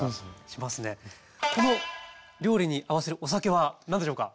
この料理に合わせるお酒は何でしょうか？